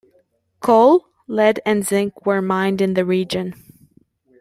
Coal, lead and zinc were mined in the region.